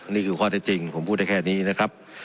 นี่คือข้อได้จริงผมพูดได้แค่นี้นะครับ